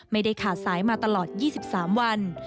ไม่ได้ขาดสายมาตลอด๒๓วัน